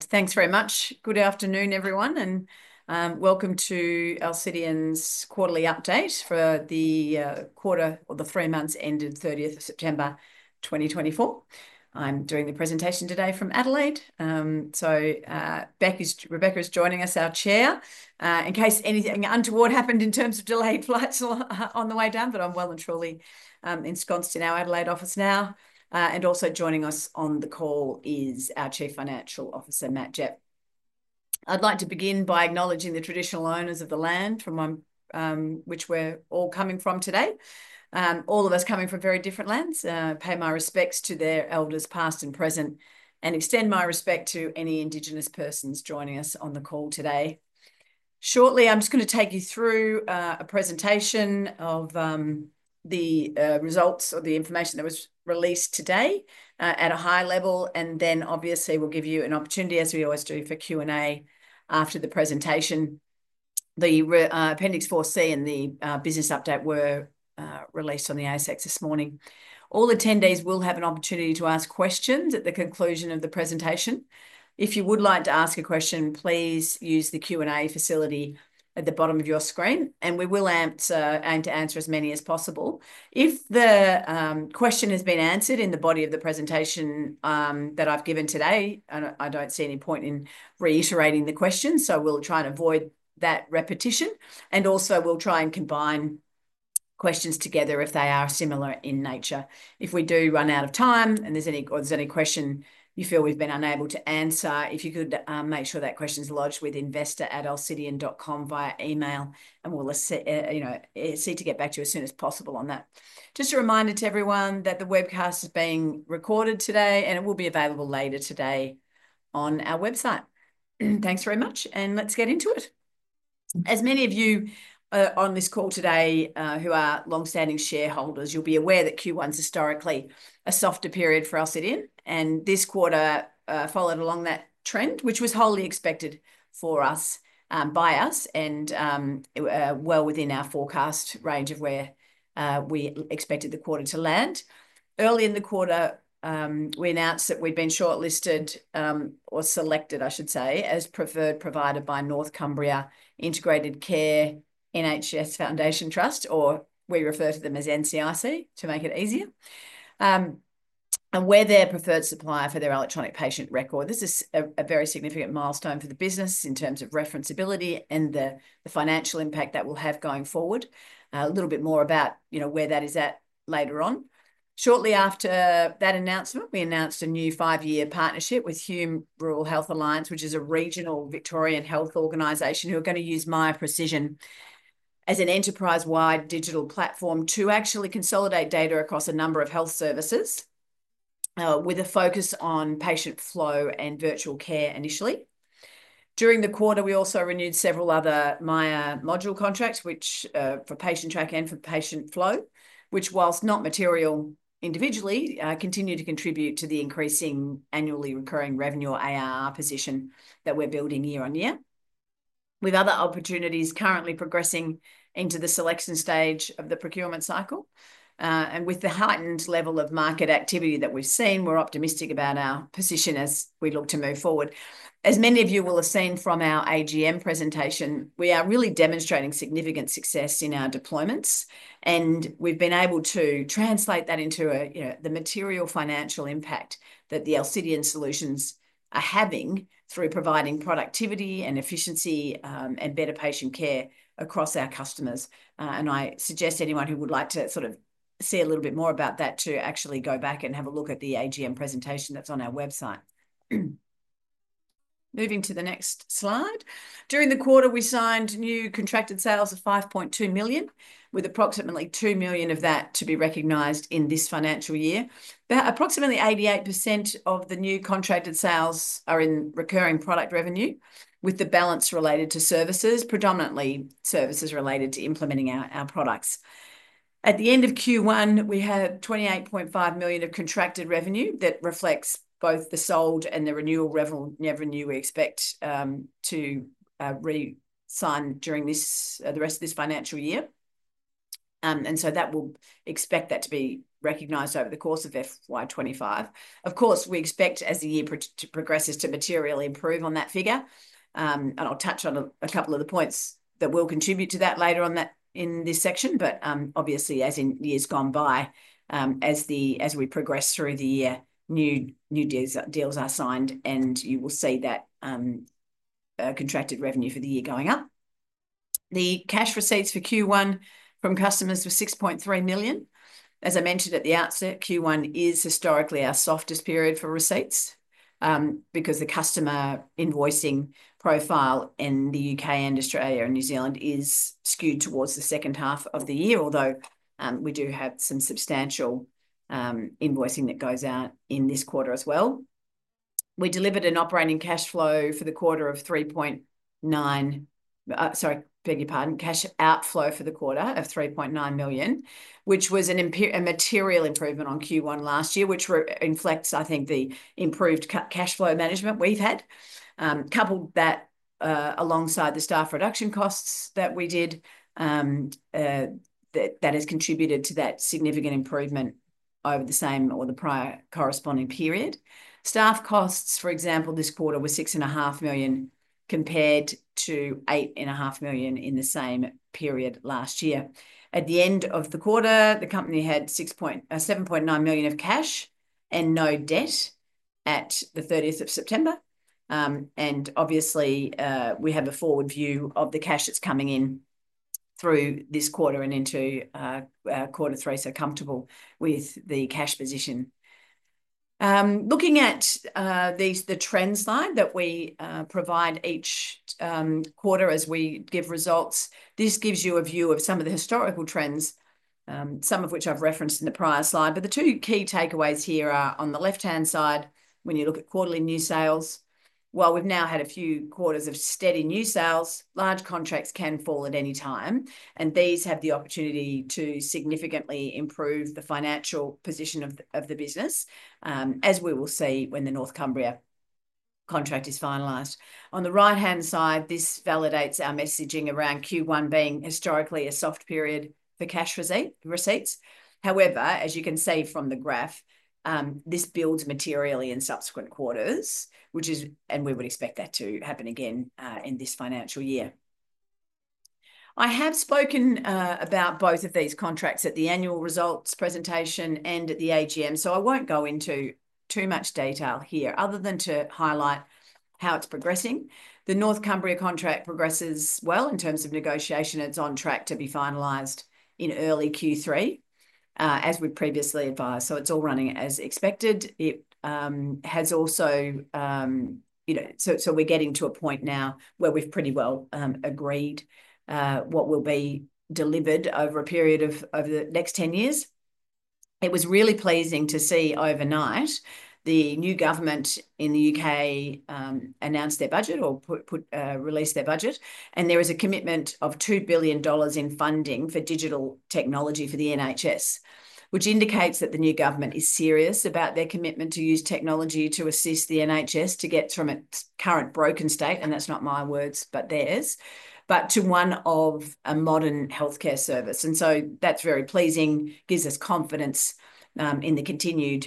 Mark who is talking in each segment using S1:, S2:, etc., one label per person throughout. S1: Thanks very much. Good afternoon, everyone, and welcome to Alcidion's quarterly update for the quarter or the three months ended 30th of September, 2024. I'm doing the presentation today from Adelaide. So Rebecca is joining us, our chair, in case anything untoward happened in terms of delayed flights on the way down. But I'm well and truly ensconced in our Adelaide office now. And also joining us on the call is our Chief Financial Officer, Matt Gepp. I'd like to begin by acknowledging the traditional owners of the land from which we're all coming from today. All of us coming from very different lands. Pay my respects to their elders, past and present, and extend my respect to any Indigenous persons joining us on the call today. Shortly, I'm just going to take you through a presentation of the results or the information that was released today at a high level. And then, obviously, we'll give you an opportunity, as we always do, for Q&A after the presentation. The Appendix 4C and the Business Update were released on the ASX this morning. All attendees will have an opportunity to ask questions at the conclusion of the presentation. If you would like to ask a question, please use the Q&A facility at the bottom of your screen, and we will aim to answer as many as possible. If the question has been answered in the body of the presentation that I've given today, I don't see any point in reiterating the question, so we'll try and avoid that repetition. And also, we'll try and combine questions together if they are similar in nature. If we do run out of time and there's any question you feel we've been unable to answer, if you could make sure that question's lodged with investor@alcidion.com via email, and we'll see to get back to you as soon as possible on that. Just a reminder to everyone that the webcast is being recorded today, and it will be available later today on our website. Thanks very much, and let's get into it. As many of you on this call today who are longstanding shareholders, you'll be aware that Q1's historically a softer period for Alcidion, and this quarter followed along that trend, which was wholly expected by us and well within our forecast range of where we expected the quarter to land. Early in the quarter, we announced that we'd been shortlisted or selected, I should say, as preferred provider by North Cumbria Integrated Care NHS Foundation Trust, or we refer to them as NCIC to make it easier, and we're their preferred supplier for their electronic patient record. This is a very significant milestone for the business in terms of referenceability and the financial impact that we'll have going forward. A little bit more about where that is at later on. Shortly after that announcement, we announced a new five-year partnership with Hume Rural Health Alliance, which is a regional Victorian health organization who are going to use Miya Precision as an enterprise-wide digital platform to actually consolidate data across a number of health services with a focus on patient flow and virtual care initially. During the quarter, we also renewed several other Miya module contracts for Patientrack and for Miya Flow, which, while not material individually, continue to contribute to the increasing annually recurring revenue or ARR position that we're building year-on-year, with other opportunities currently progressing into the selection stage of the procurement cycle, and with the heightened level of market activity that we've seen, we're optimistic about our position as we look to move forward. As many of you will have seen from our AGM presentation, we are really demonstrating significant success in our deployments, and we've been able to translate that into the material financial impact that the Alcidion solutions are having through providing productivity and efficiency and better patient care across our customers. I suggest anyone who would like to sort of see a little bit more about that to actually go back and have a look at the AGM presentation that's on our website. Moving to the next slide. During the quarter, we signed new contracted sales of 5.2 million, with approximately 2 million of that to be recognized in this financial year. Approximately 88% of the new contracted sales are in recurring product revenue, with the balance related to services, predominantly services related to implementing our products. At the end of Q1, we have 28.5 million of contracted revenue that reflects both the sold and the renewal revenue we expect to re-sign during the rest of this financial year. And so that will expect that to be recognized over the course of FY 2025. Of course, we expect as the year progresses to materially improve on that figure. I'll touch on a couple of the points that will contribute to that later on in this section. Obviously, as in years gone by, as we progress through the year, new deals are signed, and you will see that contracted revenue for the year going up. The cash receipts for Q1 from customers were 6.3 million. As I mentioned at the outset, Q1 is historically our softest period for receipts because the customer invoicing profile in the UK and Australia and New Zealand is skewed towards the second half of the year, although we do have some substantial invoicing that goes out in this quarter as well. We delivered an operating cash flow for the quarter of 3.9, sorry, beg your pardon, cash outflow for the quarter of 3.9 million, which was a material improvement on Q1 last year, which reflects, I think, the improved cash flow management we've had. Coupled that alongside the staff reduction costs that we did, that has contributed to that significant improvement over the same or the prior corresponding period. Staff costs, for example, this quarter were 6.5 million compared to 8.5 million in the same period last year. At the end of the quarter, the company had 7.9 million of cash and no debt at the 30th of September. Obviously, we have a forward view of the cash that's coming in through this quarter and into quarter three, so comfortable with the cash position. Looking at the trend slide that we provide each quarter as we give results, this gives you a view of some of the historical trends, some of which I've referenced in the prior slide. But the two key takeaways here are on the left-hand side, when you look at quarterly new sales, while we've now had a few quarters of steady new sales, large contracts can fall at any time, and these have the opportunity to significantly improve the financial position of the business, as we will see when the North Cumbria contract is finalized. On the right-hand side, this validates our messaging around Q1 being historically a soft period for cash receipts. However, as you can see from the graph, this builds materially in subsequent quarters, which is, and we would expect that to happen again in this financial year. I have spoken about both of these contracts at the annual results presentation and at the AGM, so I won't go into too much detail here other than to highlight how it's progressing. The North Cumbria contract progresses well in terms of negotiation. It's on track to be finalized in early Q3, as we'd previously advised. So it's all running as expected. It has also, so we're getting to a point now where we've pretty well agreed what will be delivered over a period of over the next 10 years. It was really pleasing to see overnight the new government in the U.K. announce their budget or release their budget, and there was a commitment of GBP 2 billion in funding for digital technology for the NHS, which indicates that the new government is serious about their commitment to use technology to assist the NHS to get from its current broken state, and that's not my words, but theirs, but to one of a modern healthcare service, and so that's very pleasing, gives us confidence in the continued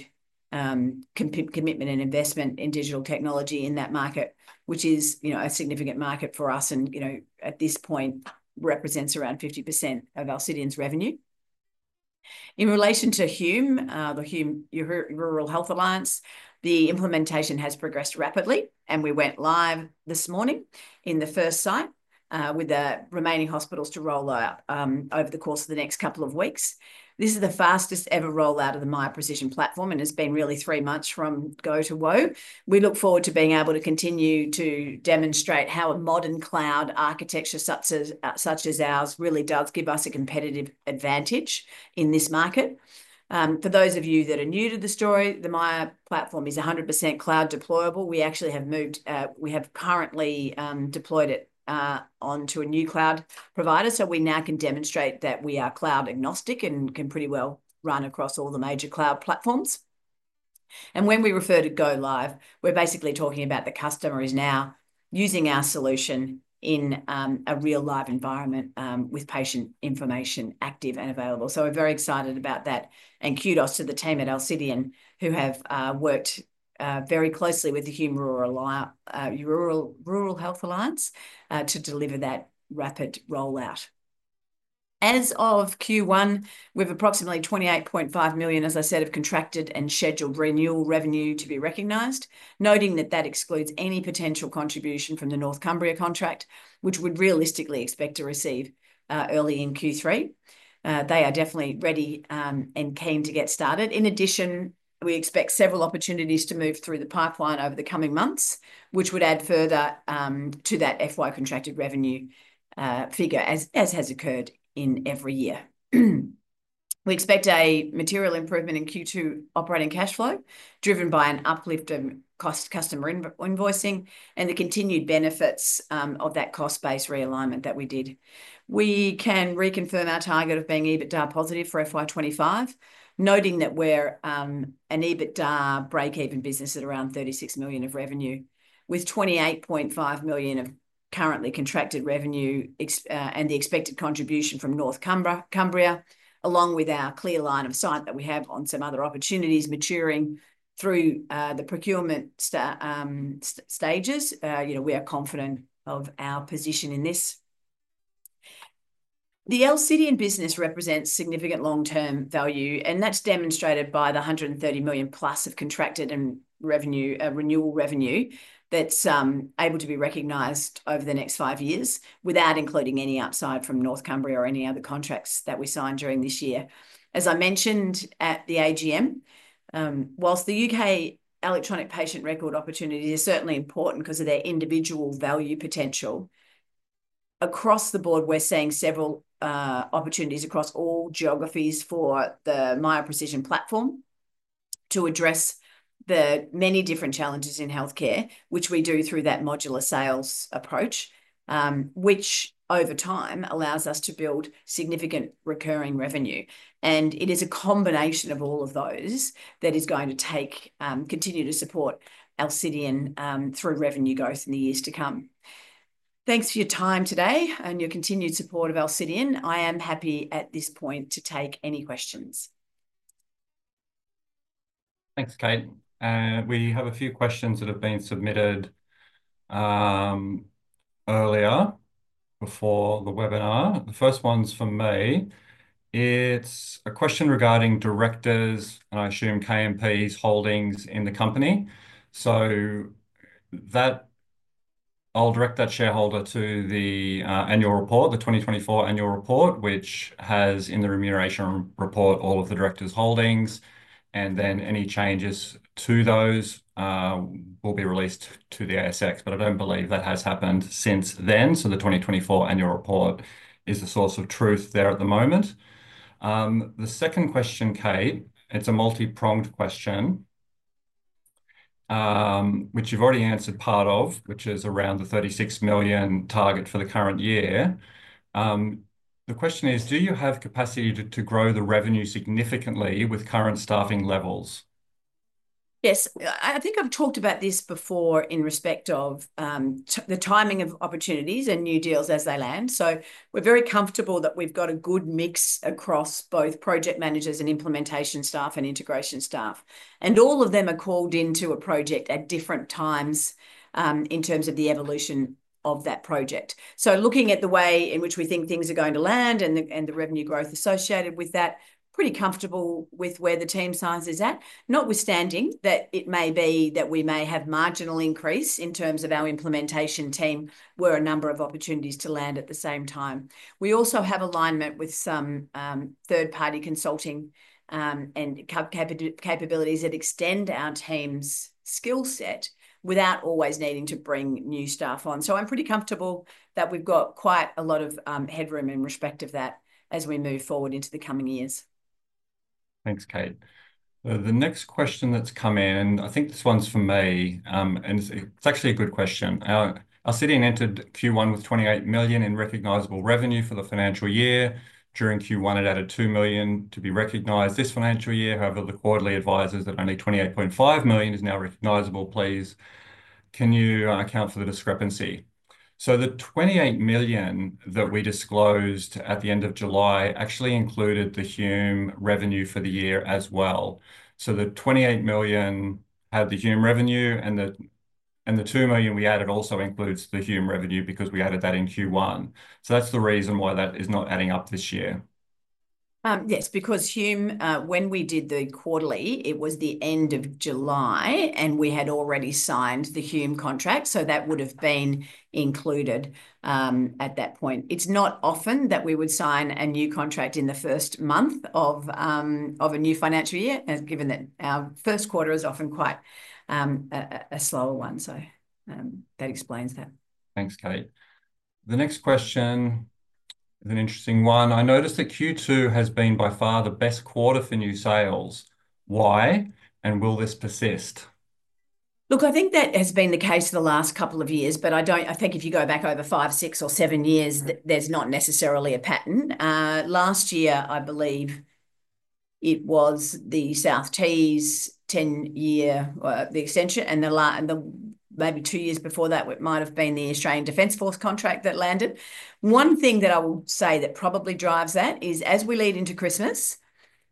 S1: commitment and investment in digital technology in that market, which is a significant market for us and at this point represents around 50% of Alcidion's revenue. In relation to Hume, the Hume Rural Health Alliance, the implementation has progressed rapidly, and we went live this morning in the first site with the remaining hospitals to roll out over the course of the next couple of weeks. This is the fastest ever rollout of the Miya Precision platform and has been really three months from go to whoa. We look forward to being able to continue to demonstrate how a modern cloud architecture such as ours really does give us a competitive advantage in this market. For those of you that are new to the story, the Miya platform is 100% cloud deployable. We actually have moved, we have currently deployed it onto a new cloud provider, so we now can demonstrate that we are cloud agnostic and can pretty well run across all the major cloud platforms. When we refer to go live, we're basically talking about the customer is now using our solution in a real live environment with patient information active and available. So we're very excited about that. And kudos to the team at Alcidion who have worked very closely with the Hume Rural Health Alliance to deliver that rapid rollout. As of Q1, we've approximately 28.5 million, as I said, of contracted and scheduled renewal revenue to be recognized, noting that that excludes any potential contribution from the North Cumbria contract, which we'd realistically expect to receive early in Q3. They are definitely ready and keen to get started. In addition, we expect several opportunities to move through the pipeline over the coming months, which would add further to that FY contracted revenue figure, as has occurred in every year. We expect a material improvement in Q2 operating cash flow driven by an uplift in customer invoicing and the continued benefits of that cost base realignment that we did. We can reconfirm our target of being EBITDA positive for FY 2025, noting that we're an EBITDA break-even business at around 36 million of revenue, with 28.5 million of currently contracted revenue and the expected contribution from North Cumbria, along with our clear line of sight that we have on some other opportunities maturing through the procurement stages. We are confident of our position in this. The Alcidion business represents significant long-term value, and that's demonstrated by the 130 million plus of contracted and renewal revenue that's able to be recognized over the next five years without including any upside from North Cumbria or any other contracts that we signed during this year. As I mentioned at the AGM, whilst the U.K. electronic patient record opportunity is certainly important because of their individual value potential, across the board, we're seeing several opportunities across all geographies for the Miya Precision platform to address the many different challenges in healthcare, which we do through that modular sales approach, which over time allows us to build significant recurring revenue, and it is a combination of all of those that is going to continue to support Alcidion through revenue growth in the years to come. Thanks for your time today and your continued support of Alcidion. I am happy at this point to take any questions.
S2: Thanks, Kate. We have a few questions that have been submitted earlier before the webinar. The first one's for me. It's a question regarding directors and I assume KMPs' holdings in the company. I'll direct that shareholder to the annual report, the 2024 annual report, which has in the remuneration report all of the directors' holdings, and then any changes to those will be released to the ASX. But I don't believe that has happened since then. The 2024 annual report is the source of truth there at the moment. The second question, Kate, it's a multi-pronged question, which you've already answered part of, which is around the 36 million target for the current year. The question is, do you have capacity to grow the revenue significantly with current staffing levels?
S1: Yes. I think I've talked about this before in respect of the timing of opportunities and new deals as they land. We're very comfortable that we've got a good mix across both project managers and implementation staff and integration staff. All of them are called into a project at different times in terms of the evolution of that project. So looking at the way in which we think things are going to land and the revenue growth associated with that, pretty comfortable with where the team size is at. Notwithstanding that it may be that we may have marginal increase in terms of our implementation team where a number of opportunities to land at the same time. We also have alignment with some third-party consulting and capabilities that extend our team's skill set without always needing to bring new staff on. So I'm pretty comfortable that we've got quite a lot of headroom in respect of that as we move forward into the coming years.
S2: Thanks, Kate. The next question that's come in, I think this one's for me, and it's actually a good question. Alcidion entered Q1 with 28 million in recognizable revenue for the financial year. During Q1, it added 2 million to be recognized this financial year. However, the quarterly advises that only 28.5 million is now recognizable. Please can you account for the discrepancy? So the 28 million that we disclosed at the end of July actually included the Hume revenue for the year as well. So the 28 million had the Hume revenue, and the 2 million we added also includes the Hume revenue because we added that in Q1. So that's the reason why that is not adding up this year.
S1: Yes, because Hume, when we did the quarterly, it was the end of July, and we had already signed the Hume contract, so that would have been included at that point. It's not often that we would sign a new contract in the first month of a new financial year, given that our first quarter is often quite a slower one. So that explains that.
S2: Thanks, Kate. The next question is an interesting one. I noticed that Q2 has been by far the best quarter for new sales. Why, and will this persist?
S1: Look, I think that has been the case for the last couple of years, but I think if you go back over five, six, or seven years, there's not necessarily a pattern. Last year, I believe it was the South Tees' 10-year extension, and maybe two years before that, it might have been the Australian Defence Force contract that landed. One thing that I will say that probably drives that is, as we lead into Christmas,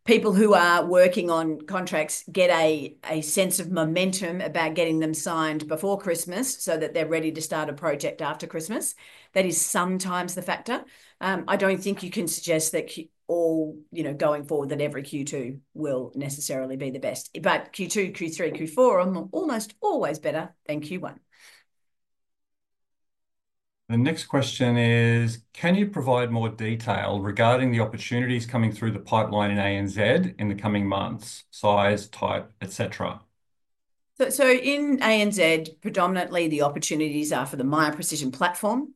S1: people who are working on contracts get a sense of momentum about getting them signed before Christmas so that they're ready to start a project after Christmas. That is sometimes the factor. I don't think you can suggest that going forward that every Q2 will necessarily be the best, but Q2, Q3, Q4 are almost always better than Q1. The next question is, can you provide more detail regarding the opportunities coming through the pipeline in ANZ in the coming months, size, type, etc.? So in ANZ, predominantly the opportunities are for the Miya Precision platform.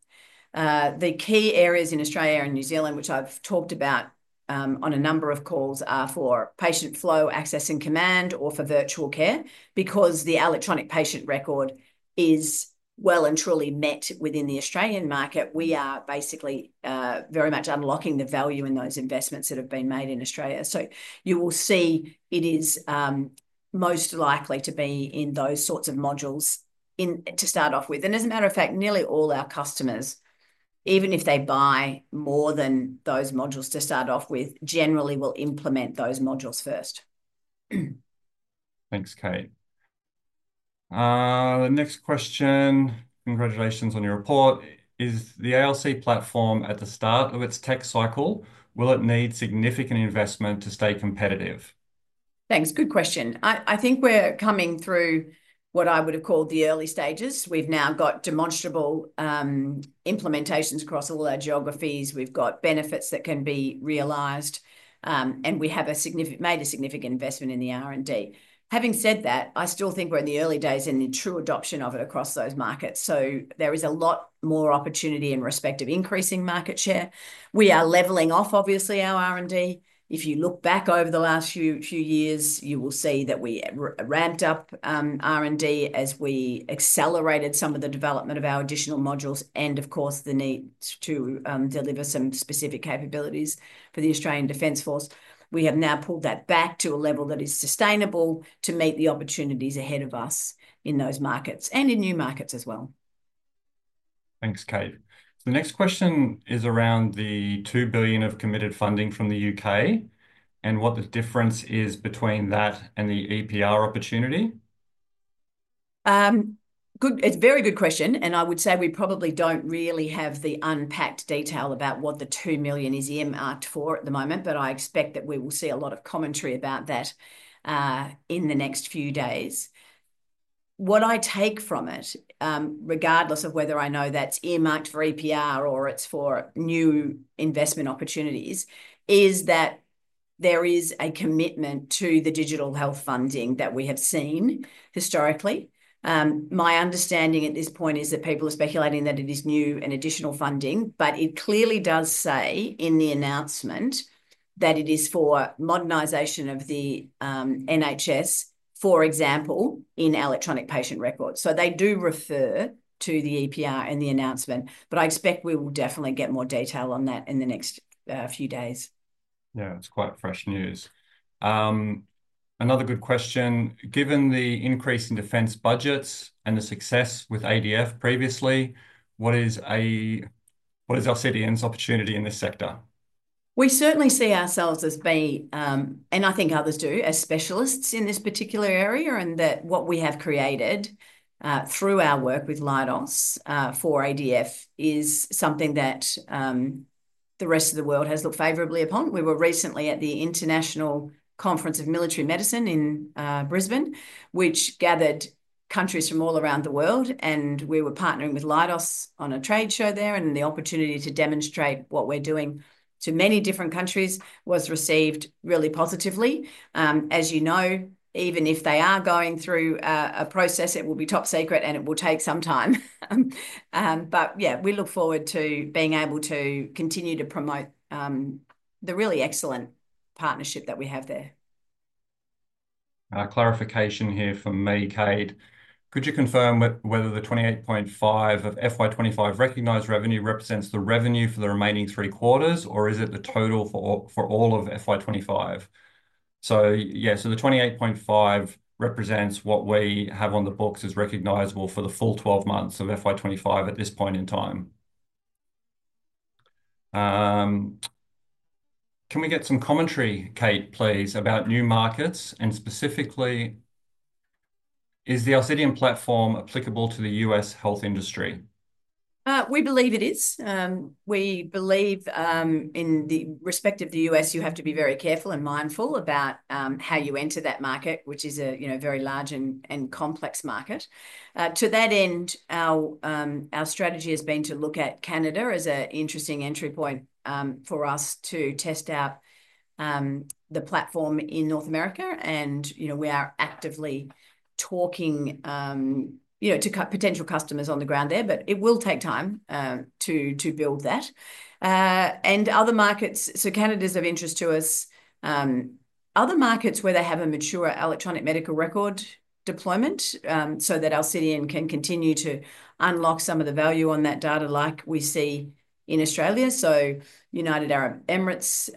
S1: The key areas in Australia and New Zealand, which I've talked about on a number of calls, are for patient flow access and command or for virtual care. Because the electronic patient record is well and truly met within the Australian market, we are basically very much unlocking the value in those investments that have been made in Australia. So you will see it is most likely to be in those sorts of modules to start off with. And as a matter of fact, nearly all our customers, even if they buy more than those modules to start off with, generally will implement those modules first.
S2: Thanks, Kate. The next question, congratulations on your report, is the ALC platform at the start of its tech cycle, will it need significant investment to stay competitive?
S1: Thanks. Good question. I think we're coming through what I would have called the early stages. We've now got demonstrable implementations across all our geographies. We've got benefits that can be realized, and we have made a significant investment in the R&D. Having said that, I still think we're in the early days in the true adoption of it across those markets. So there is a lot more opportunity in respect of increasing market share. We are leveling off, obviously, our R&D. If you look back over the last few years, you will see that we ramped up R&D as we accelerated some of the development of our additional modules and, of course, the need to deliver some specific capabilities for the Australian Defence Force. We have now pulled that back to a level that is sustainable to meet the opportunities ahead of us in those markets and in new markets as well.
S2: Thanks, Kate. The next question is around the 2 billion of committed funding from the U.K. and what the difference is between that and the EPR opportunity.
S1: It's a very good question, and I would say we probably don't really have the unpacked detail about what the 2 million is earmarked for at the moment, but I expect that we will see a lot of commentary about that in the next few days. What I take from it, regardless of whether I know that's earmarked for EPR or it's for new investment opportunities, is that there is a commitment to the digital health funding that we have seen historically. My understanding at this point is that people are speculating that it is new and additional funding, but it clearly does say in the announcement that it is for modernization of the NHS, for example, in electronic patient records. So they do refer to the EPR in the announcement, but I expect we will definitely get more detail on that in the next few days.
S2: Yeah, it's quite fresh news. Another good question. Given the increase in defense budgets and the success with ADF previously, what is Alcidion's opportunity in this sector?
S1: We certainly see ourselves as being, and I think others do, as specialists in this particular area and that what we have created through our work with Leidos for ADF is something that the rest of the world has looked favorably upon. We were recently at the International Conference of Military Medicine in Brisbane, which gathered countries from all around the world, and we were partnering with Leidos on a trade show there, and the opportunity to demonstrate what we're doing to many different countries was received really positively. As you know, even if they are going through a process, it will be top secret and it will take some time. But yeah, we look forward to being able to continue to promote the really excellent partnership that we have there.
S2: Clarification here for me, Kate. Could you confirm whether the 28.5 of FY 2025 recognized revenue represents the revenue for the remaining three quarters, or is it the total for all of FY 2025? So yeah, so the 28.5 represents what we have on the books as recognizable for the full 12 months of FY 2025 at this point in time. Can we get some commentary, Kate, please, about new markets and specifically, is the Alcidion platform applicable to the U.S. health industry?
S1: We believe it is. We believe in the respect of the U.S., you have to be very careful and mindful about how you enter that market, which is a very large and complex market. To that end, our strategy has been to look at Canada as an interesting entry point for us to test out the platform in North America, and we are actively talking to potential customers on the ground there, but it will take time to build that, and other markets, so Canada is of interest to us. Other markets where they have a mature electronic medical record deployment so that Alcidion can continue to unlock some of the value on that data like we see in Australia, so United Arab Emirates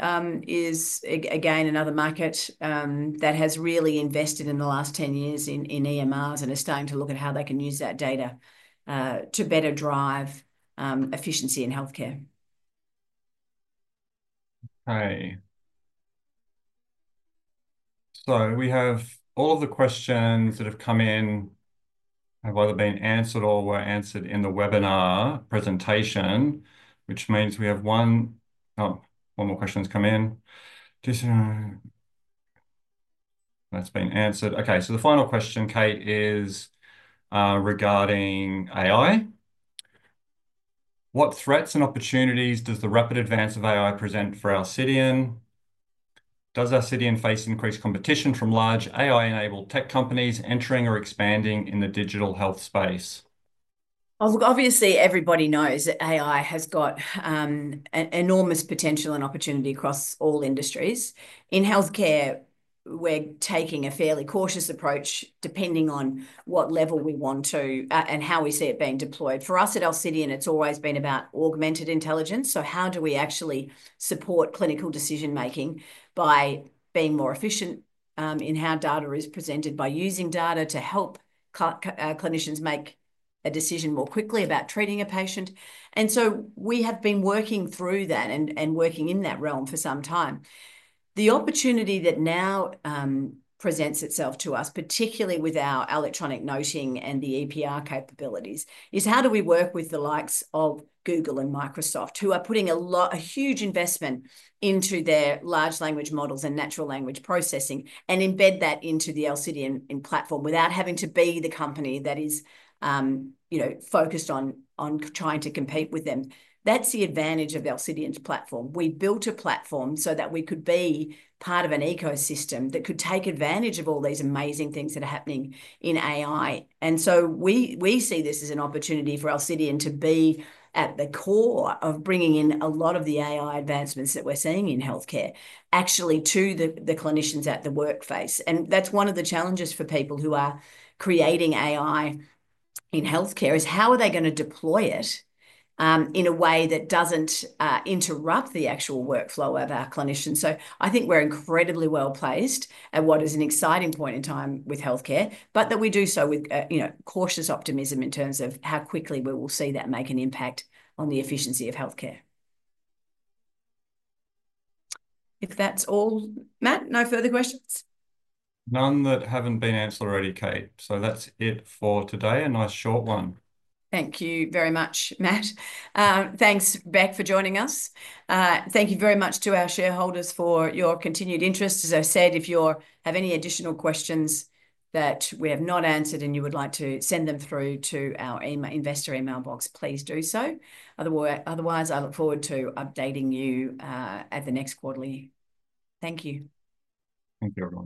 S1: is, again, another market that has really invested in the last 10 years in EMRs and is starting to look at how they can use that data to better drive efficiency in healthcare.
S2: Okay. So we have all of the questions that have come in have either been answered or were answered in the webinar presentation, which means we have one, oh, one more question's come in. That's been answered. Okay, so the final question, Kate, is regarding AI. What threats and opportunities does the rapid advance of AI present for Alcidion? Does Alcidion face increased competition from large AI-enabled tech companies entering or expanding in the digital health space?
S1: Obviously, everybody knows that AI has got enormous potential and opportunity across all industries. In healthcare, we're taking a fairly cautious approach depending on what level we want to and how we see it being deployed. For us at Alcidion, it's always been about augmented intelligence. So how do we actually support clinical decision-making by being more efficient in how data is presented, by using data to help clinicians make a decision more quickly about treating a patient, and so we have been working through that and working in that realm for some time. The opportunity that now presents itself to us, particularly with our electronic noting and the EPR capabilities, is how do we work with the likes of Google and Microsoft, who are putting a huge investment into their large language models and natural language processing and embed that into the Alcidion platform without having to be the company that is focused on trying to compete with them. That's the advantage of Alcidion's platform. We built a platform so that we could be part of an ecosystem that could take advantage of all these amazing things that are happening in AI. And so we see this as an opportunity for Alcidion to be at the core of bringing in a lot of the AI advancements that we're seeing in healthcare actually to the clinicians at the workplace. And that's one of the challenges for people who are creating AI in healthcare is how are they going to deploy it in a way that doesn't interrupt the actual workflow of our clinicians? So I think we're incredibly well placed at what is an exciting point in time with healthcare, but that we do so with cautious optimism in terms of how quickly we will see that make an impact on the efficiency of healthcare. If that's all, Matt, no further questions?
S2: None that haven't been answered already, Kate. So that's it for today. A nice short one.
S1: Thank you very much, Matt. Thanks, Beck, for joining us. Thank you very much to our shareholders for your continued interest. As I said, if you have any additional questions that we have not answered and you would like to send them through to our investor email box, please do so. Otherwise, I look forward to updating you at the next quarterly. Thank you.
S2: Thank you.